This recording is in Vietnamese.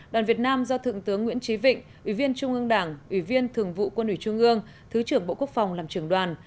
đoàn việt nam do thượng tướng nguyễn trí vịnh ủy viên trung ương đảng ủy viên thường vụ quân ủy trung ương thứ trưởng bộ quốc phòng làm trưởng đoàn